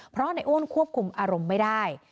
เพราะในอ้วนควบคุมอารมณ์ไม่ได้